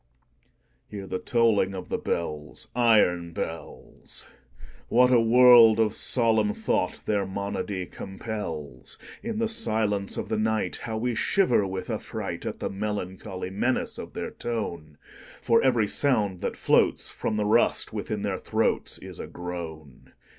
Hear the tolling of the bells, Iron bells! What a world of solemn thought their monody compels! In the silence of the nightHow we shiver with affrightAt the melancholy menace of their tone! For every sound that floatsFrom the rust within their throatsIs a groan.